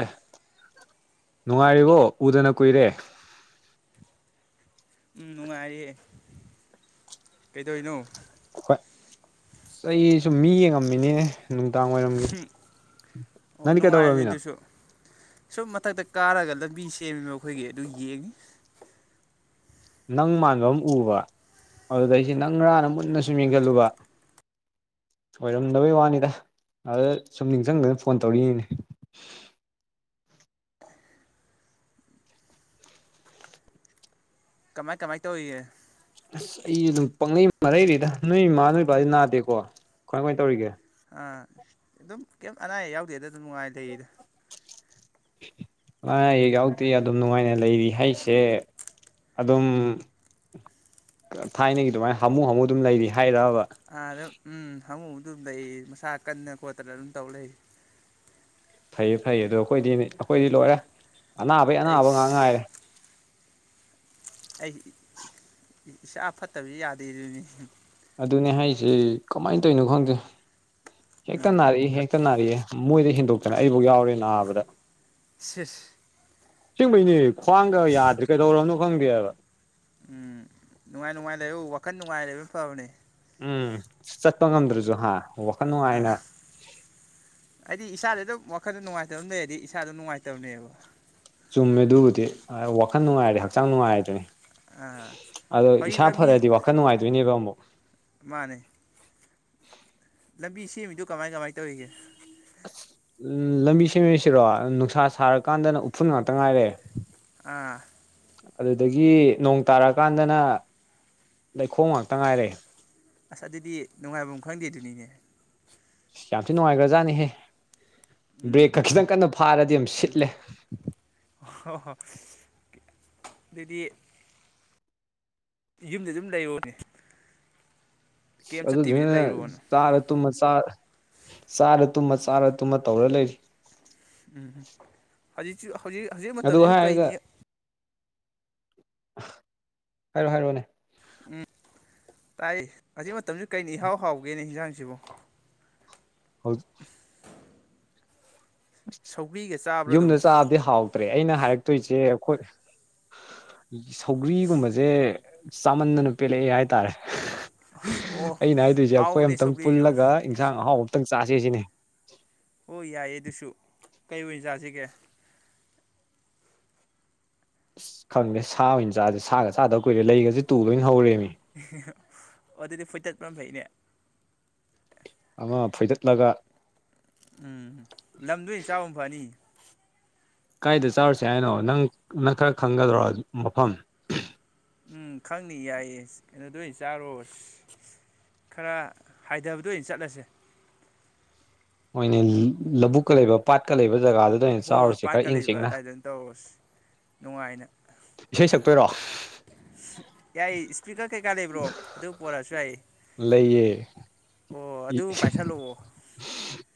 ꯑꯦ ꯅꯨꯡꯉꯥꯏꯔꯤꯕꯣ ꯎꯗꯅ ꯀꯨꯏꯔꯦ ꯎꯝ ꯅꯨꯡꯉꯥꯏꯔꯤꯌꯦꯦ ꯀꯩꯗꯧꯅꯣ ꯍꯣꯏ ꯆꯩ ꯁꯨꯝ ꯃꯤ ꯌꯦꯡꯉꯝꯃꯤꯅꯦ ꯅꯨꯡꯗꯥꯡ ꯋꯥꯏꯔꯝꯒꯤꯦ ꯑꯣ ꯅꯪꯗꯤ ꯅꯨꯡꯉꯥꯏꯕꯅꯦ ꯀꯩꯗꯧꯔꯕꯃꯤꯅ ꯑꯗꯨꯁꯨ ꯁꯨꯝ ꯃꯊꯛꯇ ꯀꯥꯔꯒ ꯂꯝꯕꯤ ꯁꯦꯝꯃꯤꯕ ꯃꯈꯈꯣꯏꯒꯤ ꯑꯗꯨ ꯌꯦꯡꯉꯤ ꯅꯪ ꯃꯥꯟꯕ ꯑꯃ ꯎꯕ ꯑꯗꯨꯗꯩ ꯑꯩꯁꯤꯦ ꯅꯪ ꯔꯥꯟꯅ ꯃꯨꯟꯅ ꯁꯨꯝ ꯌꯦꯡꯁꯤꯜꯂꯨꯕ ꯑꯣꯏꯔꯝꯗꯕꯩ ꯋꯥꯅꯤꯗ ꯑꯗ ꯁꯨꯝ ꯅꯤꯡꯁꯤꯡꯗꯅ ꯐꯣꯟ ꯇꯧꯔꯤꯅꯦ ꯀꯃꯥꯏ ꯀꯃꯥꯏ ꯇꯧꯏꯌꯦ ꯑꯁ ꯑꯩ ꯑꯗꯨꯝ ꯄꯪꯅꯩ ꯃꯔꯩꯔꯤꯗ ꯅꯣꯏ ꯏꯃꯥ ꯅꯣꯏ ꯏꯄꯥꯕꯥꯁꯤ ꯅꯥꯗꯦꯀꯣ ꯀꯃꯥꯏ ꯀꯃꯥꯏ ꯇꯧꯔꯤꯒꯦ ꯑꯥ ꯑꯗꯨꯝ ꯀꯩ ꯑꯅꯥ ꯑꯌꯦꯛ ꯌꯥꯎꯗꯦꯗ ꯑꯗꯨꯝ ꯅꯨꯡꯉꯥꯏ ꯂꯩꯔꯤꯗ ꯂꯥꯏ ꯌꯥꯎꯇꯤ ꯑꯗꯨꯝ ꯅꯨꯡꯉꯥꯏꯅ ꯂꯩꯔꯤ ꯍꯥꯏꯁꯦ ꯑꯗꯨꯝ ꯊꯥꯏꯅꯒꯤ ꯑꯗꯨꯃꯥꯏꯅ ꯍꯥꯃꯨ ꯍꯥꯃꯨ ꯑꯗꯨꯝ ꯂꯩꯔꯤ ꯍꯥꯏꯔ ꯑꯥꯗꯝ ꯎꯝ ꯍꯥꯃꯨꯗꯨ ꯂꯩ ꯃꯁꯥ ꯀꯟꯅ ꯈꯣꯠꯇꯅ ꯑꯗꯨꯝ ꯇꯧ ꯂꯩ ꯐꯩꯌꯦ ꯐꯩ ꯑꯗꯣ ꯑꯩꯈꯣꯏꯗꯤꯅꯦ ꯑꯩꯈꯣꯏꯗꯤ ꯂꯣꯏꯔꯦ ꯑꯅꯥꯕꯩ ꯑꯅꯥꯕ ꯉꯥꯏꯥꯛ ꯉꯥꯏꯔꯦ ꯑꯩꯁ ꯑꯩ ꯏꯁꯥ ꯐꯠꯇꯕꯗꯤ ꯌꯥꯗꯦꯔꯤꯕꯅꯤ ꯑꯗꯨꯅꯦ ꯍꯥꯏꯁꯦ ꯀꯃꯥꯏꯅ ꯇꯧꯔꯤꯅꯣ ꯈꯪꯗꯦ ꯍꯦꯛꯇ ꯎꯝ ꯅꯥꯔꯛꯏ ꯍꯦꯛꯇ ꯅꯥꯔꯛꯑ ꯃꯣꯏꯗꯤ ꯍꯦꯟꯗꯣꯛꯇꯅ ꯍꯛꯆꯥꯡ ꯑꯩꯐꯥꯎ ꯌꯥꯎꯔꯦ ꯅꯥꯕꯗ ꯁꯤꯁ ꯁꯤꯁꯤꯡꯕꯩꯅꯦ ꯈ꯭ꯋꯥꯡꯒ ꯌꯥꯗ꯭ꯔꯤ ꯀꯩꯗꯧꯔꯕꯅꯣ ꯈꯪꯗꯦꯕ ꯎꯝ ꯅꯨꯡꯉꯥꯏ ꯅꯨꯡꯉꯥꯏ ꯂꯩ ꯋꯥꯈꯜ ꯅꯨꯡꯉꯥꯏ ꯂꯩꯕ ꯐꯕꯅꯦ ꯎꯝ ꯆꯠꯄ ꯉꯝꯗ꯭ꯔꯁꯨ ꯍꯥꯥ ꯋꯥꯈꯜ ꯅꯨꯡꯉꯥꯏꯅ ꯑꯥ ꯑꯩꯗꯤ ꯏꯁꯥꯗ ꯑꯗꯨꯝ ꯋꯥꯈꯜꯗ ꯅꯨꯡꯉꯥꯏꯇꯕ ꯑꯃ ꯂꯩꯔꯗꯤ ꯏꯁꯥꯗ ꯅꯨꯡꯉꯥꯏꯇꯕꯅꯦꯕ ꯆꯨꯝꯃꯦ ꯑꯗꯨꯕꯨꯗꯤ ꯋꯥꯈꯜ ꯅꯨꯡꯉꯥꯏꯔꯦ ꯍꯛꯆꯥꯡ ꯅꯨꯡꯉꯥꯏꯔꯗꯨꯅꯤ ꯑꯥ ꯑꯗꯣ ꯍꯧꯖꯤꯛ ꯏꯁꯥ ꯂꯝꯕꯤ ꯐꯔꯗꯤ ꯋꯥꯈꯜ ꯅꯨꯡꯉꯥꯏꯗꯣꯏꯅꯦꯕ ꯑꯃꯨꯛ [inaudible] ꯃꯥꯅꯦ ꯂꯝꯕꯤ ꯁꯦꯝꯃꯤꯗꯨ ꯀꯃꯥꯏ ꯀꯃꯥꯏꯅ ꯇꯧꯔꯤꯒꯦ ꯑꯁ ꯎ ꯂꯝꯕꯤ ꯁꯦꯝꯃꯤꯁꯤꯔꯣ ꯅꯨꯡꯁꯥ ꯁꯥꯔꯀꯥꯟꯗꯅ ꯎꯐꯨꯟ ꯉꯥꯛꯇ ꯉꯥꯏꯔꯦ ꯑꯥ ꯑꯗꯨꯗꯒꯤ ꯅꯣꯡ ꯇꯥꯔꯛꯀꯥꯟꯗꯅ ꯂꯩꯈꯣꯡ ꯉꯥꯛꯇ ꯉꯥꯏꯔꯦ ꯑꯁ ꯑꯗꯨꯗꯤ ꯅꯨꯡꯉꯥꯏꯕꯐꯝ ꯈꯪꯗꯦꯗꯨꯅꯤꯅꯦ ꯌꯥꯝ ꯊꯤ ꯅꯨꯡꯉꯥꯏꯈ꯭ꯔꯖꯥꯠꯅꯦꯍꯦ ꯎꯝ ꯕ꯭ꯔꯦꯛꯀ ꯈꯤꯇꯪ ꯀꯟꯅ ꯐꯥꯔꯗꯤ ꯑꯗꯨꯝ ꯁꯤꯠꯂꯦ ꯑꯣ ꯍ ꯑꯗꯨꯗꯤ ꯌꯨꯝꯗꯤ ꯑꯗꯨꯝ ꯂꯩꯌꯣꯅꯦ ꯑꯗꯨ ꯑꯗꯨ ꯆ ꯇꯨꯝꯃ ꯆ ꯆꯥꯔ ꯇꯨꯝꯃ ꯆꯥꯔ ꯇꯨꯝꯃ ꯇꯧꯔ ꯂꯩꯔꯤ ꯎꯝꯝ ꯍꯧꯖꯤꯛꯁꯨ ꯍꯧꯖꯤꯛ ꯍꯧꯖꯤꯛ ꯑꯗꯨ ꯃꯇꯝꯁꯨ ꯍꯥꯏꯔꯒ ꯀꯩꯅꯤ ꯍꯥꯏꯔꯣ ꯍꯥꯏꯔꯣꯅꯦ ꯎꯝ ꯇꯥꯏ ꯑꯁꯤ ꯃꯇꯝꯁꯨ ꯀꯩꯅ ꯏꯍꯥꯎ ꯍꯥꯎꯒꯦꯅꯦ ꯏꯟꯁꯥꯡꯁꯤꯕꯨ ꯍ ꯑꯁ ꯁꯧꯒ꯭ꯔꯤꯒ ꯆꯥꯕ꯭ꯔꯥ ꯌꯨꯝꯗ ꯑꯗꯨꯝ ꯆꯥꯕꯗꯤ ꯍꯥꯎꯇ꯭ꯔꯦ ꯑꯩꯅ ꯍꯥꯏꯔꯛꯇꯣꯏꯁꯦ ꯑꯩꯈꯣꯏ ꯁꯧꯒ꯭ꯔꯤꯒꯨꯝꯕꯁꯦ ꯆꯥꯃꯟꯗꯅ ꯄꯦꯜꯂꯛꯑꯦ ꯍꯥꯏꯇꯥꯔꯦ ꯑꯣ ꯑꯩꯅ ꯍꯥꯏꯗꯣꯏꯁꯦ ꯑꯩꯈꯣꯏ ꯍꯥꯎꯕꯅꯦ ꯑꯝꯇꯪ ꯁꯧꯒ꯭ꯔꯤꯁꯨ ꯄꯨꯜꯂꯒ ꯏꯟꯁꯥꯡ ꯑꯍꯥꯎ ꯑꯇꯪ ꯆꯥꯁꯦ ꯁꯤꯅꯦ ꯑꯣ ꯌꯥꯏꯌꯦ ꯑꯗꯨꯁꯨ ꯀꯩ ꯑꯣꯏꯅ ꯆꯥꯁꯤꯒꯦ ꯑꯁ ꯈꯪꯗꯦ ꯁꯥ ꯑꯣꯏꯅ ꯆꯥꯁꯦ ꯁꯥꯒ ꯆꯥꯗꯕ ꯀꯨꯏꯔꯦ ꯂꯩꯒꯁꯦ ꯇꯨ ꯂꯣꯏꯅ ꯍꯧꯔꯦꯅꯤ ꯑꯗꯨꯗꯤ ꯐꯣꯏꯆꯠꯄ ꯐꯩꯅꯦ ꯑꯃ ꯐꯣꯏꯗꯠꯂꯒ ꯎꯝ ꯂꯝꯗꯨꯅꯤ ꯆꯥꯕ ꯐꯅꯤ ꯀꯥꯏꯗ ꯆꯥꯔꯨꯁꯦ ꯍꯥꯏꯅꯣ ꯅꯪ ꯅꯪ ꯈꯔ ꯈꯪꯒꯗꯔꯣ ꯃꯐꯝ ꯎꯝ ꯈꯪꯅꯤ ꯌꯥꯏꯌꯦ ꯀꯩꯅꯣꯗꯣꯏ ꯆꯥꯔꯨꯔꯁ ꯈꯔ ꯍꯥꯏꯊꯕꯗꯣ ꯑ ꯑꯣꯏꯅ ꯆꯠꯂꯁꯦ ꯃꯣꯏꯅ ꯂꯧꯕꯕꯨꯛꯀ ꯂꯩꯕ ꯄꯥꯠꯀ ꯂꯩꯕ ꯖꯒꯥꯗꯨꯗ ꯑꯣꯏꯅ ꯍꯣꯏ ꯍꯣꯏ ꯆꯥꯎꯔꯁꯦ ꯈꯔ ꯏꯪ ꯄꯥꯀꯠꯂꯤꯕ ꯆꯤꯛꯅ ꯑꯗꯨꯗꯥꯏꯗꯅ ꯇꯧꯔꯁꯤ ꯅꯨꯡꯉꯥꯏꯅ ꯏꯁꯩ ꯁꯛꯇꯣꯏꯔꯣ ꯌꯥꯏ ꯏꯁꯄꯤꯀꯔ ꯀꯩꯀꯥ ꯂꯩꯕ꯭ꯔꯣ ꯑꯗꯨ ꯄꯔꯛꯑꯁꯨ ꯌꯥꯏ ꯑꯣ ꯑꯗꯨ ꯄꯥꯏꯁꯜꯂꯛꯑꯣ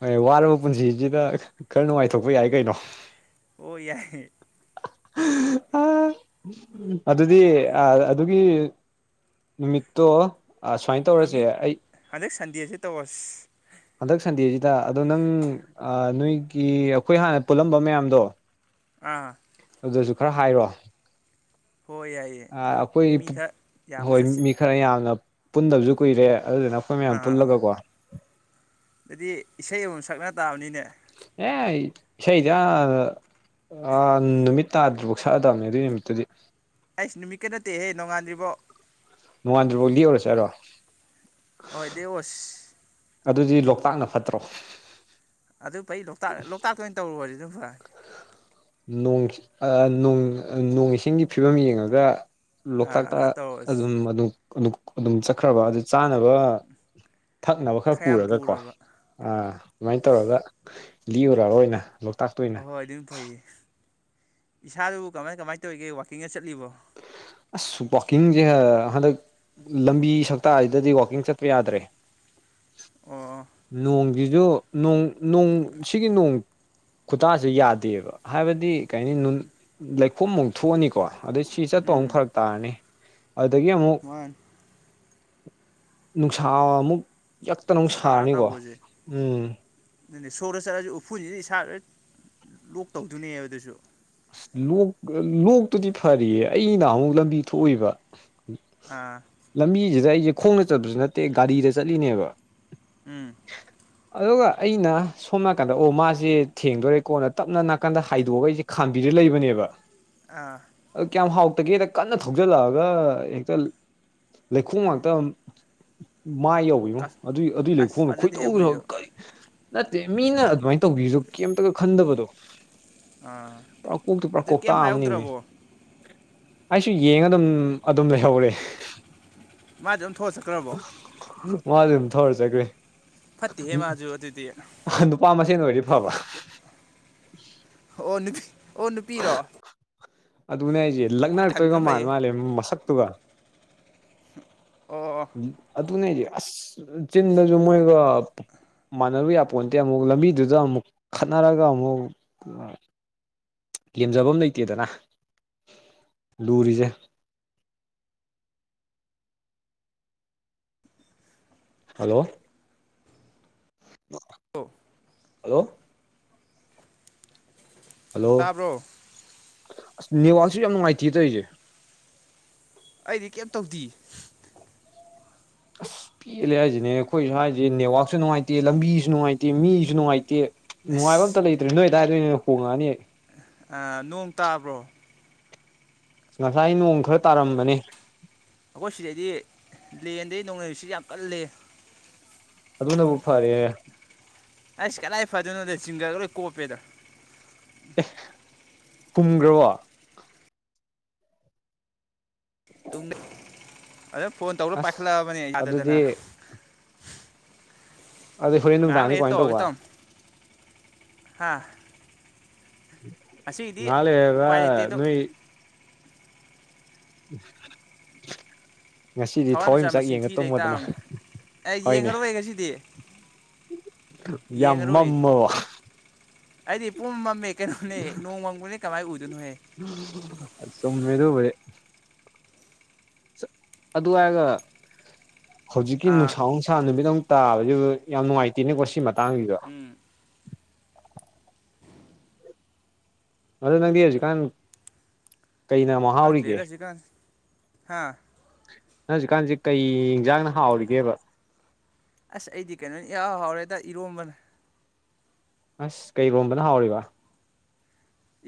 ꯣꯏ ꯋꯥꯔꯕꯨ ꯄꯨꯟꯁꯤꯁꯤꯗ ꯈꯔ ꯅꯨꯡꯉꯥꯏꯊꯣꯛꯄ ꯌꯥꯏ ꯀꯩꯅꯣ ꯑꯣꯏ ꯌꯥꯏꯦ [unintelligible] ꯑꯗꯨꯗꯤ ꯑꯗꯨꯒꯤ ꯅꯨꯃꯤꯠꯇꯣ ꯁꯨꯃꯥꯏꯅ ꯇꯧꯔꯁꯦ ꯒꯃꯤ ꯑꯩ ꯍꯟꯗꯛ ꯁꯟꯗꯦꯁꯦ ꯇꯧꯔꯁ ꯍꯟꯗꯛ ꯁꯟꯗꯦꯁꯤꯗ ꯑꯗꯣ ꯅꯪ ꯅꯣꯏꯒꯤ ꯑꯩꯈꯣꯏ ꯍꯥꯟꯅ ꯄꯨꯜꯂꯝꯕ ꯃꯌꯥꯝꯗꯣ ꯑꯥ ꯑꯗꯨꯁꯨ ꯈꯔ ꯍꯥꯏꯔꯣ ꯍꯣꯏ ꯌꯥꯏꯌꯦ ꯑꯩꯈꯣꯏ ꯃꯤ ꯈꯔ ꯌꯥꯝꯃ ꯍꯣꯏ ꯆꯠꯁꯦ ꯃꯤ ꯈꯔ ꯌꯥꯝꯅ ꯄꯨꯟꯗꯕꯁꯨ ꯀꯨꯏꯔꯦ ꯑꯗꯨꯗꯨ ꯅ ꯑꯩꯈꯣꯏ ꯃꯌꯥꯝ ꯑꯥ ꯄꯨꯜꯂꯒꯀꯣ ꯑꯗꯨꯗꯤ ꯏꯁꯩ ꯑꯃ ꯁꯛꯅ ꯇꯥꯕꯅꯤꯅꯦ ꯑꯦꯁꯩꯗ ꯑ ꯅꯨꯃꯤꯠ ꯇꯥꯗ꯭ꯔꯤꯐꯥꯎ ꯁꯛꯑꯗꯕꯅꯦ ꯑꯗꯨꯏ ꯅꯨꯃꯤꯠꯇꯨꯗꯤ ꯑꯩꯁ ꯅꯨꯃꯤꯠꯀ ꯅꯠꯇꯦꯍꯦ ꯅꯣꯡꯉꯥꯟꯗ꯭ꯔꯤꯕꯣ ꯅꯣꯡꯉꯥꯟꯗ꯭ ꯐꯥꯎ ꯂꯤꯎꯧꯔꯁꯦꯔꯣ ꯍꯣꯏ ꯗꯦꯌꯁ ꯑꯗꯨꯗꯤ ꯂꯣꯛꯇꯥꯛꯅ ꯐꯠꯇ꯭ꯔꯣ ꯑꯗꯨ ꯐꯩ ꯂꯣꯛꯇꯥꯛ ꯂꯣꯛꯇꯥꯛꯇ ꯑꯣꯏꯅ ꯇꯧꯔꯨꯔꯗꯤ ꯑꯗꯨꯝ ꯐ ꯅꯣꯡ ꯏꯁꯤꯡꯒꯤ ꯐꯤꯕꯝ ꯌꯦꯡꯉꯒ ꯑꯥ ꯂꯣꯛꯇꯥꯛꯇ ꯑꯗꯨꯃꯥꯏꯅ ꯇꯧꯔꯁꯤ ꯑꯗꯨꯝ ꯑꯗꯨ ꯑꯗꯨꯝ ꯆꯠꯈ꯭ꯔꯕ ꯑꯗꯨ ꯆꯥꯅꯕ ꯊꯛꯅꯕ ꯈꯔ ꯌꯥꯝ ꯄꯨꯔꯒꯀꯣ ꯄꯨꯔꯕ ꯑ ꯁꯨꯃꯥꯏꯅ ꯇꯧꯔꯒ ꯂꯤꯔꯨꯔꯔꯣꯏ ꯑꯣꯏꯅ ꯂꯣꯛꯇꯥꯛꯇ ꯑꯣꯏꯅ ꯑꯍꯣꯏ ꯑꯗꯨꯝ ꯐꯩꯌꯦ ꯏꯁꯥꯗꯨꯕꯨ ꯀꯃꯥꯏ ꯀꯃꯥꯏꯅ ꯇꯧꯔꯤꯒꯦ ꯋꯥꯛꯀꯤꯡꯒ ꯆꯠꯂꯤꯕꯣ ꯑꯁ ꯋꯥꯋꯥꯛꯀꯤꯡꯁꯦ ꯍꯟꯗꯛ ꯂꯝꯕꯤ ꯁꯛꯇꯁꯤꯗꯗꯤ ꯋꯥꯛꯀꯤꯡ ꯆꯠꯄ ꯌꯥꯗ꯭ꯔꯦ ꯑꯣ ꯁꯨꯣꯡ ꯁꯤꯒꯤ ꯅꯣꯡ ꯈꯨꯇꯥꯁꯤꯦ ꯌꯥꯗꯦꯕ ꯍꯥꯏꯕꯗꯤ ꯀꯩꯅꯤ ꯂꯩꯈꯣꯝꯃꯨꯛ ꯊꯣꯛꯑꯅꯤꯀꯣ ꯑꯗꯩ ꯁꯤ ꯆꯠꯄ ꯑꯃ ꯎꯝ ꯐꯔꯛ ꯇꯥꯔꯅꯤ ꯑꯗꯨꯗꯒꯤ ꯑꯃꯨꯛ ꯋꯥꯟ ꯅꯨꯡꯁꯥ ꯑꯃꯨꯛ ꯌꯥꯛꯇꯅ ꯐꯥꯅꯤꯀꯣ ꯎꯝ ꯅꯪꯅꯦ ꯁꯣꯔꯗ ꯆꯠꯂꯁꯨ ꯎꯐꯨꯁꯤꯗꯤ ꯏꯁꯥ ꯂꯣꯏ ꯂꯣꯛ ꯇꯧꯗꯣꯏꯅꯦꯕ ꯑꯗꯨꯁꯨ ꯑꯁ ꯂꯣꯛ ꯂꯣꯛꯇꯨꯗꯤ ꯐꯔꯤꯌꯦ ꯑꯩꯅ ꯑꯃꯨꯛ ꯂꯝꯕꯤ ꯊꯣꯛꯏꯕ ꯑꯥ ꯂꯝꯕꯤꯁꯤꯗ ꯑꯩꯁꯦ ꯈꯣꯡꯅ ꯆꯠꯄꯁꯨ ꯅꯠꯇꯦ ꯒꯥꯔꯤꯗ ꯆꯠꯂꯤꯅꯦꯕ ꯎꯝ ꯑꯗꯨꯒ ꯑꯩꯅ ꯁꯣꯝ ꯅꯥꯀꯟꯗ ꯑꯣ ꯃꯥꯁꯦ ꯊꯦꯡꯗꯣꯔꯦꯀꯣꯟꯅ ꯇꯞꯅ ꯅꯥꯀꯟꯗ ꯍꯥꯏꯗꯣꯛꯑꯒ ꯑꯩꯁꯦ ꯈꯥꯝꯕꯤꯗ ꯂꯩꯕꯅꯦꯕ ꯑꯥ ꯑꯗꯨ ꯀꯌꯥꯝ ꯍꯥꯎ ꯇꯒꯤ ꯍꯦꯛꯇ ꯀꯟꯅ ꯊꯧꯖꯤꯜꯂꯛꯑꯒ ꯍꯦꯛꯇ ꯂꯩꯈꯣꯝ ꯉꯥꯛꯇ ꯃꯥꯏ ꯌꯥꯎꯋꯅꯣ ꯀꯁ ꯑꯗꯨꯏ ꯑꯗꯨꯏ ꯑꯁ ꯂꯩꯈꯣꯡꯗꯣ ꯐꯖꯗꯦꯍꯦ ꯈꯣꯏꯗꯧꯗ ꯃꯣꯏꯁꯨ ꯀꯔꯤ ꯅꯠꯇꯦ ꯃꯤꯅ ꯑꯗꯨꯃꯥꯏꯅ ꯇꯧꯕꯤꯁꯨ ꯀꯩꯝꯇꯒ ꯈꯟꯗꯕꯗꯣ ꯑꯥ ꯄ꯭ꯔꯀꯣꯛꯇꯤ ꯑꯗꯨ ꯄ꯭ꯔꯀꯣꯛꯇꯥ ꯀꯩꯝ ꯑꯃꯅꯤꯃꯤ ꯍꯥꯏꯍꯧꯗ꯭ꯔꯕꯣ ꯑꯩꯁꯨ ꯌꯦꯡꯉ ꯑꯗꯨꯝ ꯑꯗꯨꯝ ꯂꯩꯍꯧꯔꯦ ꯃꯥꯗꯤꯦ ꯑꯗꯨꯝ ꯊꯣꯛꯑ ꯆꯠꯈ꯭ꯔꯕꯣ ꯃꯥꯁ ꯑꯗꯨꯝ ꯊꯧꯔ ꯆꯈ꯭ꯔꯦ ꯐꯠꯇꯦꯍꯦ ꯃꯥꯁꯨ ꯑꯗꯨꯗꯤ ꯑꯄꯥ ꯃꯁꯤꯡꯅ ꯑꯣꯏꯗꯤ ꯐꯕ ꯑꯣ ꯅꯨꯄꯤ ꯑꯣ ꯅꯨꯄꯤꯔꯣ ꯑꯗꯨꯅꯦ ꯑꯩꯁꯦ ꯂꯛꯅꯔꯛꯇꯣꯏꯒ ꯈꯟꯕꯅ ꯐꯩꯌꯦ ꯃꯥꯜꯂ ꯃꯥꯜꯂꯦ ꯃꯁꯛꯇꯨꯒ ꯑꯣ ꯑꯣ ꯑꯗꯨꯅꯦ ꯑꯁ ꯆꯤꯟꯗꯁꯨ ꯃꯣꯏꯒ ꯃꯥꯟꯅꯔꯨ ꯌꯥꯄꯣꯟ ꯅꯠꯇꯦ ꯑꯃꯨꯛ ꯂꯝꯕꯤꯗꯨꯗ ꯑꯃꯨꯛ ꯈꯠꯅꯔꯒ ꯑꯃꯨꯛ ꯂꯦꯝꯖꯐꯝ ꯂꯩꯇꯦꯗꯅ ꯂꯨꯔꯤꯁꯦ [inaudible] ꯍꯜꯂꯣ ꯑꯣ ꯍꯜꯂꯣ ꯍꯜꯂꯣ ꯇꯥꯕ꯭ꯔꯣ ꯑꯁ ꯅꯅꯤꯍꯋꯥꯜꯁꯨ ꯌꯥꯝ ꯅꯨꯡꯉꯥꯏꯇꯌꯦ ꯇꯧꯔꯤꯁꯦ ꯑꯩꯗꯤ ꯀꯦꯞ ꯇꯧꯗꯦ ꯑꯁ ꯄꯦꯜꯂꯦ ꯍꯥꯏꯁꯤꯅꯦ ꯑꯩꯈꯣꯏꯁꯨ ꯍꯥꯏꯔꯤꯁꯦ ꯅꯦꯠꯋꯥꯛꯁꯨ ꯅꯨꯡꯉꯥꯏꯇꯦ ꯂꯝꯕꯤꯁꯨ ꯅꯨꯡꯉꯥꯏꯇꯦ ꯃꯤꯁꯨ ꯅꯨꯡꯉꯥꯏꯇꯦ ꯅꯨꯡꯉꯥꯏꯕ ꯑꯁ ꯑꯝꯇ ꯂꯩꯇ꯭ꯔꯦ ꯅꯣꯏꯗꯥꯏꯗꯣꯏꯅꯦ ꯍꯣꯡꯉꯛꯑꯅꯤ ꯅꯣꯡ ꯇꯥꯕ꯭ꯔꯣ ꯉꯁꯥꯏ ꯅꯣꯡ ꯈꯔ ꯇꯥꯔꯝꯕꯅꯦ ꯑꯩꯈꯣꯏ ꯁꯤꯗꯩꯗꯤ ꯄꯕ꯭ꯂꯦꯟꯗꯩ ꯅꯧꯅꯔꯤꯁꯤ ꯌꯥꯝ ꯀꯂ ꯑꯗꯨꯅ ꯑꯃꯨꯛ ꯐꯔꯦ ꯑꯩꯁ ꯀꯗꯥꯏ ꯐꯗꯣꯏꯅꯣꯗ ꯁꯤꯡꯤꯡꯒꯔꯒ ꯂꯣꯏ ꯀꯣꯞꯄꯦꯗ ꯍꯨꯝꯈ꯭ꯔꯕ ꯑꯗꯨꯣ ꯐꯣꯟ ꯇꯧꯔꯒ ꯑꯁ ꯄꯥꯏꯈꯠꯂꯛꯑꯕꯅꯤ ꯑꯩ ꯌꯥꯗꯗꯅ ꯑꯗꯨꯗꯤ ꯑꯗꯨꯗꯤ ꯍꯣꯔꯦꯟ ꯉ ꯅꯨꯡꯗꯥꯡꯗꯤ ꯂꯩ ꯇ ꯀꯃꯥꯏꯅ ꯍꯧꯒꯦ ꯇꯧꯕ ꯇꯝ ꯍꯥꯥ ꯃꯥꯂꯦꯕ ꯎꯄꯥꯏ ꯂꯩꯇꯦ ꯑꯗꯨꯝ ꯅꯣꯏꯣꯏ ꯎꯝ ꯉꯁꯤꯗꯤ ꯊꯋꯥꯟ ꯃꯤꯆꯥꯛ ꯊꯋꯥꯏꯃꯤꯆꯥꯛ ꯃꯁꯤꯡ ꯌꯦꯡꯉ ꯊꯤ ꯂꯩ ꯇꯨꯝꯃꯣꯗꯅ ꯇꯥꯕꯅꯤ ꯑꯩ ꯍꯣꯏꯅꯦ ꯌꯦꯡꯉꯔꯣꯏ ꯉꯁꯤꯗꯤ ꯌꯥꯝ ꯌꯦꯡꯉꯔꯣꯏ ꯃꯃ ꯑꯩꯗꯤ ꯄꯨꯝ ꯃꯝꯃꯦ ꯀꯩꯅꯣꯅꯦ ꯅꯣꯡ ꯃꯪꯝꯕꯅꯦ ꯀꯃꯥꯏꯅ ꯎꯏ ꯆꯃꯦ ꯑꯗꯨꯕ ꯑꯗꯨ ꯍꯥꯏꯔꯒ ꯍꯧꯖꯤꯛꯀꯤ ꯑꯥ ꯅꯨꯡꯁꯥ ꯅꯨꯡꯁꯥ ꯅꯨꯃꯤꯗ ꯑꯃꯨꯛ ꯇꯥꯕꯗꯨ ꯌꯥꯝ ꯅꯨꯡꯉꯥꯏꯇꯦꯅꯦꯀꯣ ꯁꯤ ꯃꯇꯥꯡꯁꯤꯗꯣ ꯎꯝ ꯑꯗ ꯅꯪꯗꯤ ꯍꯧꯖꯤꯛꯀꯥꯟ ꯀꯩꯅ ꯑꯃꯨꯛ ꯍꯥꯎꯔꯤꯒꯦ ꯍꯥꯥ ꯍꯧꯖꯤꯛꯀꯥꯟꯁꯦ ꯀꯩ ꯌꯦꯟꯖꯥꯡꯅ ꯍꯥꯎꯔꯤꯒꯦꯕ ꯑꯁ ꯑꯩꯗꯤ ꯀꯩꯅꯣꯅꯤ ꯏ ꯍꯥꯎꯔꯦꯗ ꯏꯔꯣꯝꯕꯅ ꯑꯁ ꯀꯩꯔꯣꯝꯕꯅ ꯍꯥꯎꯔꯤꯕ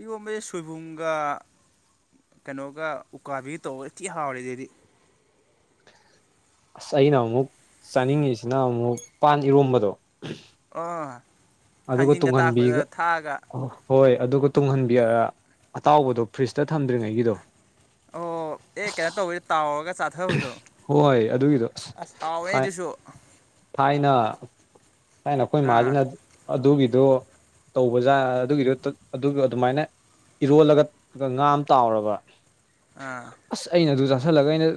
ꯏꯉꯣꯟꯕ ꯁꯣꯏꯕꯨꯝꯒ ꯀꯩꯅꯣꯒ ꯎꯀꯥꯕꯤꯒ ꯇꯧ ꯏ ꯊꯤ ꯍꯥꯎꯔꯦ ꯑꯗꯨꯗꯤ ꯑꯁ ꯑꯩꯅ ꯑꯃꯨꯛ ꯆꯥꯅꯤꯡꯉꯤꯁꯤꯅ ꯑꯃꯨꯛ ꯄꯥꯟ ꯏꯔꯣꯝꯕꯗꯣ ꯑ ꯑꯗꯨꯒ ꯇꯨꯡꯍꯟꯕꯤꯒ ꯍꯣꯏ ꯑꯗꯨꯒ ꯇꯨꯡꯍꯟꯕꯤꯔ ꯑꯇꯥꯎꯕꯗꯣ ꯐ꯭ꯔꯤꯖꯇ ꯊꯝꯗ꯭ꯔꯤꯉꯩꯒꯤꯗꯣ ꯑꯣ ꯑꯦ ꯑꯁ ꯀꯩꯅꯣ ꯇꯧꯕꯗ ꯇꯥꯎꯔꯒ ꯆꯥꯊꯕꯗꯣ ꯍꯣꯏ ꯑꯗꯨꯒꯤꯗꯣ ꯑꯁ ꯍꯥꯎꯋꯦ ꯊꯥꯏ ꯑꯗꯨꯁꯨ ꯊꯥꯏꯅ ꯀꯥꯏꯅ ꯀꯣꯏ ꯃꯥꯖꯤ ꯑꯥ ꯅ ꯑꯗꯨꯕꯤ ꯑꯗ ꯇꯧꯕꯖꯥ ꯑꯗꯨꯒꯤꯗ ꯑꯗꯨ ꯑꯗꯨꯃꯥꯏꯅ ꯏꯔꯣꯜꯂꯒ ꯉꯥꯝ ꯇꯥꯎꯔꯕ ꯑꯥ ꯑꯁ ꯑꯩꯅ ꯑꯗꯨ ꯆꯥꯥꯁꯜꯂꯒ ꯑꯩꯅ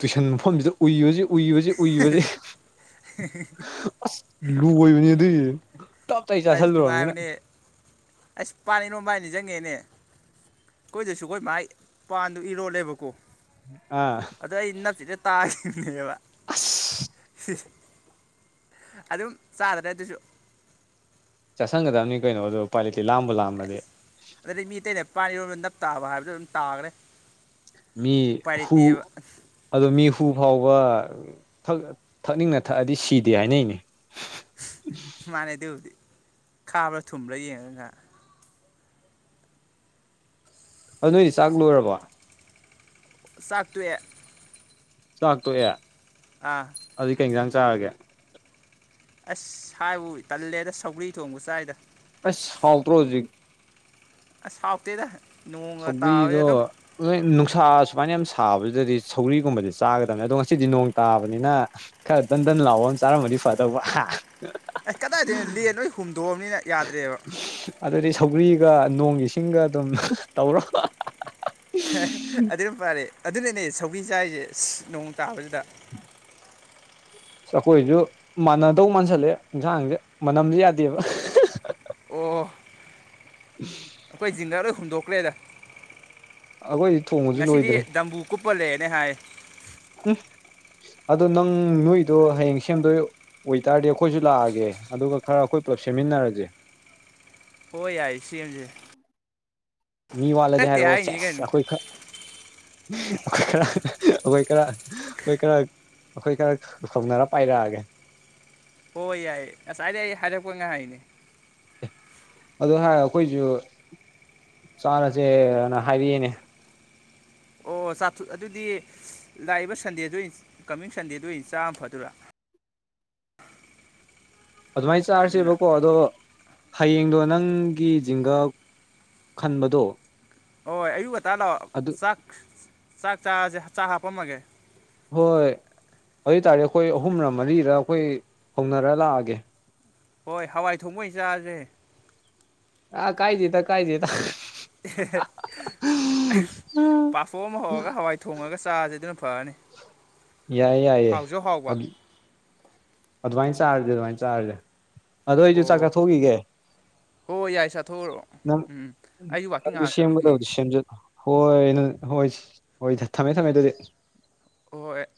ꯇꯨꯏꯁꯟ ꯃꯐꯝꯗꯨꯗ ꯎꯏ ꯍꯧꯖꯤꯛ ꯎꯏꯕꯁꯦ ꯎꯏꯕꯁꯦ ꯑꯁ ꯂꯕꯅꯤ ꯑꯗꯨꯏ ꯑꯩꯁ ꯅꯨꯡꯉꯥꯏꯕꯅꯦ ꯑꯁ ꯄꯥꯅꯤ ꯅꯣꯡꯕꯥꯅꯤ ꯆꯪꯉꯦꯅꯦ ꯑꯩꯈꯣꯏꯗꯁꯨꯈꯣꯏ ꯃꯥꯥꯏ ꯄꯥꯟꯗꯨ ꯏꯔꯣꯜꯂꯦꯕꯀꯣ ꯑꯥ ꯑꯗꯨꯗꯣ ꯑꯩ ꯅꯞꯁꯤꯗ ꯇꯥꯅꯦꯅꯦꯕ ꯑꯁ ꯑꯗꯨꯝ ꯆꯥꯗ꯭ꯔꯦ ꯑꯗꯨꯁꯨ ꯆꯠꯁꯤꯟꯒꯗꯕꯅꯤ ꯀꯩꯅꯣ ꯑꯗꯣ ꯀ꯭ꯋꯥꯂꯤꯇꯤ ꯂꯥꯝꯕ ꯂꯥꯝꯕꯗꯤ ꯑꯗꯗꯤ ꯃꯤ ꯑꯇꯩꯅ ꯄꯥꯅꯤꯔꯣꯝ ꯅꯞ ꯇꯥꯕ ꯍꯥꯏꯕꯗꯨꯣ ꯑꯗꯨꯝ ꯇꯥꯈ꯭ꯔꯦ ꯃꯤ ꯎꯄꯥꯏ ꯍꯨ ꯂꯩꯇꯦꯕ ꯑꯗꯣ ꯃꯤ ꯐꯨ ꯐꯥꯎꯕ ꯊꯛꯅꯤꯡꯅ ꯊꯛꯑꯗꯤ ꯁꯤꯗꯦ ꯍꯥꯏꯅꯩꯅꯤ ꯃꯥꯥꯟꯅꯦ ꯑꯗꯨꯕꯨꯗꯤ ꯈꯥꯕ꯭ꯔꯥ ꯊꯨꯝꯕ꯭ꯔꯥ ꯌꯦꯡꯉꯒ ꯑꯗꯨ ꯅꯣꯏꯗꯤ ꯆꯥꯛ ꯂꯣꯏꯔꯕ ꯆꯥꯛꯇꯋꯦ ꯆꯥꯛꯇꯣꯛꯑꯦ ꯑꯗꯨꯏ ꯀꯩ ꯌꯦꯟꯁꯥꯡ ꯆꯥꯔꯒꯦ ꯑꯁ ꯍꯥꯏꯕꯨ ꯇꯜꯂꯦꯗ ꯁꯧꯒ꯭ꯔꯤ ꯊꯣꯡꯕ ꯆꯥꯏꯗ ꯁꯥꯎꯇ꯭ꯔꯣꯖꯤꯛ ꯑꯁꯥꯎꯥꯎꯐꯇꯩꯗ ꯁꯛꯒ꯭ꯔꯤꯗꯣꯅꯨꯡ ꯁꯥ ꯁꯨꯃꯥꯏꯅ ꯌꯥꯝꯅ ꯁꯥꯕꯁꯤꯗꯗꯤ ꯁꯧꯔꯤꯒꯨꯝꯕꯗꯤ ꯆꯥꯒꯗꯕꯅꯤ ꯑꯗꯣ ꯉꯁꯤꯗꯤ ꯅꯣꯡ ꯇꯥꯕꯅꯤꯅ ꯈꯔꯟ ꯂꯥꯎꯑꯣ ꯆꯥꯔ ꯃꯗꯤ ꯐꯗꯕ ꯑꯩꯁ ꯀꯗꯥꯏꯗꯒꯤꯅꯣ ꯂꯦ ꯅꯣꯏ ꯍꯨꯝꯗꯣꯛꯑꯕꯅꯤꯅ ꯌꯥꯗ꯭ꯔꯦꯕ ꯍꯥꯏꯗꯤ ꯁꯧꯒ꯭ꯔꯤꯒ ꯅꯣꯡꯒꯤ ꯏꯁꯤꯡꯒ ꯑꯗꯨꯝ ꯇꯧꯔꯣ ꯑꯗꯨ ꯑꯗꯨꯝ ꯄꯥꯔꯦ ꯑꯗꯨꯅꯅꯦ ꯁꯧꯤ ꯆꯥꯏꯔꯤꯁꯦ ꯅꯣꯡ ꯇꯥꯕꯁꯤꯗ ꯆꯈꯣꯏꯁꯨ ꯃꯥꯟꯅꯗꯧ ꯃꯥꯟꯁꯜꯂꯛꯑꯦ ꯌꯦꯟꯁꯥꯡꯁꯦ ꯃꯅꯝꯁꯨ ꯌꯥꯗꯦꯕ ꯑꯣ ꯑꯩꯈꯣꯏ ꯖꯤꯡꯗ ꯂꯣꯏ ꯍꯨꯝꯗꯣꯛꯈ꯭ꯔꯦꯗ ꯑꯩꯈꯣꯏꯗꯤ ꯊꯣꯡꯕꯁꯨ ꯉꯁꯤꯗꯤ ꯂꯣꯏꯗ꯭ꯔꯤ ꯗꯝꯕꯨ ꯀꯨꯞꯄ ꯂꯩꯦꯅꯦ ꯍꯥꯏ ꯎꯝ ꯑꯗꯣ ꯅꯪ ꯅꯣꯏꯗꯣ ꯍꯌꯦꯡ ꯁꯦꯝꯗꯣꯏ ꯑꯣꯏꯇꯥꯔꯗꯤ ꯑꯩꯈꯣꯏꯁꯨ ꯂꯥꯛꯑꯒꯦ ꯑꯗꯨꯒ ꯈꯔ ꯑꯩꯈꯣꯏ ꯄꯨꯂꯞ ꯁꯦꯝꯃꯤꯟꯅꯔꯁꯦ ꯍꯣꯏ ꯌꯥꯏ ꯁꯤꯝꯁꯦ ꯃꯤ ꯋꯥꯠꯂꯗꯤ ꯍꯥꯏꯔꯛꯑꯣ ꯆꯁ ꯀꯩꯅꯣ ꯑꯩꯈꯣꯏ ꯈꯔ ꯑꯩꯣꯏ ꯀꯔ ꯑꯩꯣꯏ ꯀꯔ ꯑꯩꯈꯣꯏ ꯈꯔ ꯁꯧꯅꯔ ꯄꯥꯏꯔꯛꯑꯒꯦ ꯍꯣꯏ ꯌꯥꯏꯌꯦ ꯉꯁꯥꯏꯗꯒꯤ ꯑꯩ ꯍꯥꯏꯔꯛꯄ ꯉꯥꯏꯍꯥꯏ ꯍꯥꯏꯅꯦ ꯑꯗꯨ ꯍꯥꯏ ꯑꯩꯈꯣꯏꯁꯨ ꯆꯥꯅꯁꯦꯅ ꯍꯥꯏꯕꯤꯏꯅꯦ ꯑꯣ ꯆꯥ ꯑꯗꯨꯗꯤ ꯂꯥꯛꯏꯕ ꯁꯟꯗꯦꯗ ꯑꯣꯏꯅ ꯀꯃꯤꯡ ꯁꯟꯗꯦꯗ ꯑꯣꯏꯅ ꯆꯥꯝꯃ ꯐꯗꯔꯥ ꯑꯗ ꯃꯩ ꯆ ꯑꯁꯤꯕꯣ ꯑꯗꯨꯅ ꯑꯗ ꯍꯌꯦꯡꯗꯣ ꯅꯪꯒꯤ ꯖꯤꯡꯒ ꯈꯟꯕꯗꯣ ꯍꯣꯏ ꯑꯌꯨꯛ ꯉꯇꯥ ꯂꯥꯛꯑꯣ ꯑꯗꯨ ꯆꯥꯛ ꯆꯥꯛ ꯆꯁꯦ ꯆꯥꯛ ꯍꯥꯞꯄꯝꯃꯒꯦ ꯍꯣꯏ ꯑꯗꯨꯏ ꯇꯔꯦ ꯑꯩꯈꯣꯏ ꯑꯍꯨꯝꯂ ꯃꯔꯤꯗ ꯑꯩꯈꯣꯏ ꯍꯧꯅꯔ ꯂꯥꯛꯑꯒꯦ ꯍꯣꯏ ꯍꯋꯥꯏ ꯊꯣꯡꯃꯣꯏ ꯆꯥꯁꯦ ꯑꯥ ꯀꯥꯏ ꯆꯇ ꯀꯥꯏ ꯆꯇ [inaudible] ꯄꯥꯐꯣꯛ ꯑꯃ ꯍꯧꯔꯒ ꯍꯋꯥꯏ ꯊꯣꯡꯉꯒ ꯆꯥꯥꯁꯦ ꯑꯗꯨꯅ ꯐꯅꯤ ꯌꯥꯏꯌꯦ ꯌꯥꯏꯌꯦꯦ ꯑꯗꯨ ꯑꯗꯨꯃꯥꯏꯅ ꯆꯥꯔꯗꯤ ꯑꯗꯨꯃꯥꯏꯅ ꯆꯥꯔꯁꯦ ꯑꯗꯨꯗ ꯑꯩꯁꯨ ꯆꯥꯛ ꯑꯣ ꯆꯥꯊꯣꯛꯈꯤꯒꯦ ꯍꯣꯏ ꯌꯥꯏ ꯆꯥꯊꯣꯛꯎꯔꯣ ꯅꯪ ꯎꯝ ꯑꯩꯁꯨ ꯋꯥꯛꯀꯤꯡ ꯉꯥꯏꯍꯥꯛ ꯆꯠꯂꯨꯈꯤꯒꯦ ꯅꯪꯁꯗꯨ ꯁꯦꯝꯖ ꯍ ꯍꯣꯏ ꯍꯣꯏ ꯊꯝꯃꯦ ꯊꯝꯃꯦ ꯑꯗꯨꯗꯤ ꯑꯣ [unintelligible] [inaudible]